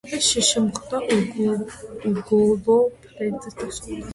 ეს შეხვედრა უგოლო ფრედ დასრულდა.